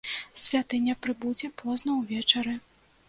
Святыня прыбудзе позна ўвечары.